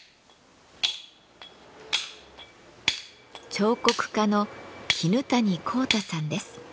彫刻家の絹谷幸太さんです。